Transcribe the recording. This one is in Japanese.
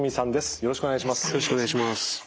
よろしくお願いします。